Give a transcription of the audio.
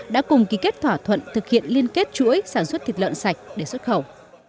đã cùng ký kết thỏa thuận thực hiện liên kết chuỗi sản xuất thịt lợn sạch để xuất khẩu